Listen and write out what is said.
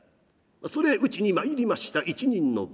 それ打ちに参りました一人の。